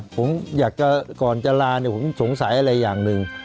ผมอยากจะก่อนจะลาเนี่ยผมสงสัยอะไรอย่างหนึ่ง